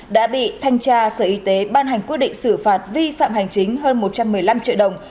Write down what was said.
đã bị thanh tra sở y tế ban hành quyết định xử phạt vi phạm hành chính hơn một trăm một mươi năm triệu đồng